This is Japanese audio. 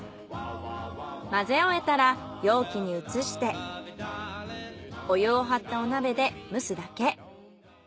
混ぜ終えたら容器に移してお湯を張ったお鍋で蒸すだけ。